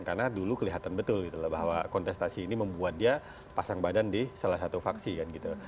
karena dulu kelihatan betul gitu loh bahwa kontestasi ini membuat dia pasang badan di salah satu faksi kan gitu